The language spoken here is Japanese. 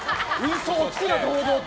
嘘をつくな、堂々と。